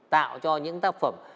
tạo cho những tác phẩm